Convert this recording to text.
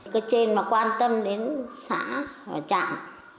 cứ trên mà quan tâm đến xã và trạm